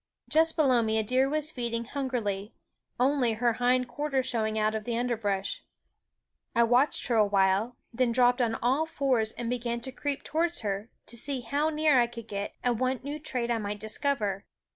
Just below me a deer was feeding hungrily, only her hind quarters showing out of the underbrush. I watched her awhile, then dropped on all fours and began to creep towards her, to see how near I could get and what new trait I might discover.